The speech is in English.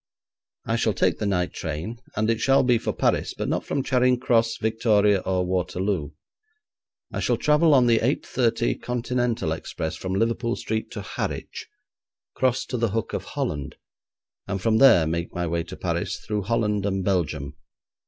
I shall take the night train, and it shall be for Paris, but not from Charing Cross, Victoria, or Waterloo. I shall travel on the 8.30 Continental express from Liverpool Street to Harwich, cross to the Hook of Holland, and from there make my way to Paris through Holland and Belgium.